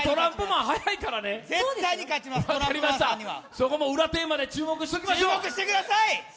そこも裏テーマで注目しときましょう。